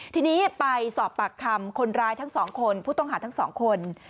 ทีนี้ไปสอบปากคำคนร้ายทั้งสองคนผู้ต้องหาทั้งสองคน